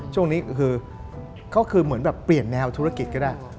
ช่วงนี้คือเขาคือเหมือนแบบเปลี่ยนแนวธุรกิจก็ได้